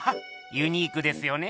ユニークですよねぇ！